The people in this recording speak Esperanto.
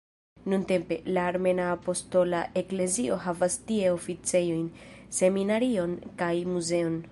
Nuntempe, la Armena Apostola Eklezio havas tie oficejojn, seminarion kaj muzeon.